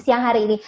siang hari ini